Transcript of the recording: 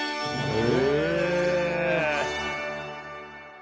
え。